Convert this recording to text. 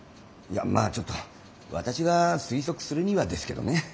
いやまあちょっと私が推測するにはですけどね。